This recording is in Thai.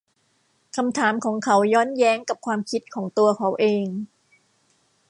คำถามของเขาย้อนแย้งกับความคิดของตัวเขาเอง